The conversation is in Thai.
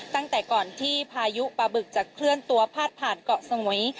ตั้งแต่ก่อนที่พายุปลาบึกจะเคลื่อนตัวพาดผ่านเกาะสมุย